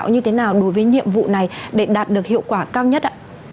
như thế nào đối với nhiệm vụ này để đạt được hiệu quả cao nhất ạ